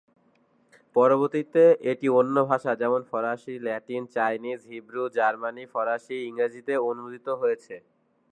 পরবর্তীতে এটি অন্য ভাষা যেমন ফারসি, ল্যাটিন, চাইনিজ, হিব্রু, জার্মান, ফরাসি, ইংরেজিতে অনূদিত হয়েছে।